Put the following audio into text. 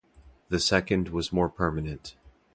The second was more permanent.